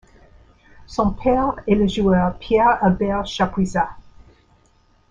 Son père est le joueur Pierre-Albert Chapuisat.